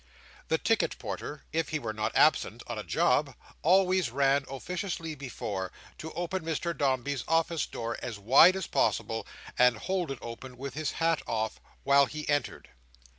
The ticket porter, if he were not absent on a job, always ran officiously before, to open Mr Dombey's office door as wide as possible, and hold it open, with his hat off, while he entered.